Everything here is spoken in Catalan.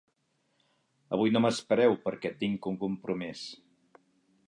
Avui no m'espereu perquè tinc un compromís.